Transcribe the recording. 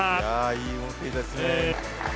いい動きですね。